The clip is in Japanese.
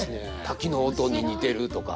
滝の音に似てるとか。